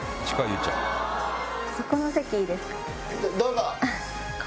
そこの席いいですか？